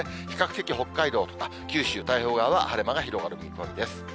比較的北海道とか九州、太平洋側は晴れ間が広がる見込みです。